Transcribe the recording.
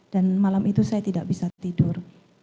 dan malam itu saya tidak bisa tidur